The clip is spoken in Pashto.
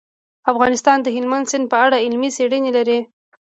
افغانستان د هلمند سیند په اړه علمي څېړنې لري.